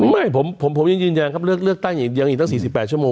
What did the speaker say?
ไม่ผมยังยืนยันครับเลือกตั้งยังอีกตั้ง๔๘ชั่วโมง